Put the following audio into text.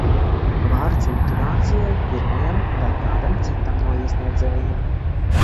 Vārds motivācijai pirmajam vai kādam citam no iesniedzējiem.